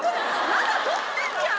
まだ取ってるじゃん！